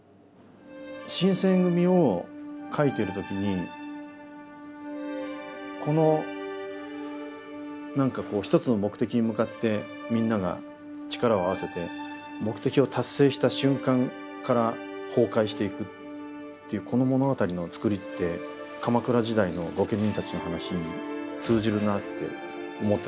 「新選組！」を書いてる時にこの何かこう一つの目的に向かってみんなが力を合わせて目的を達成した瞬間から崩壊していくっていうこの物語の作りって鎌倉時代の御家人たちの話に通じるなって思ってたんですよ。